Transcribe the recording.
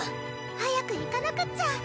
早く行かなくっちゃ！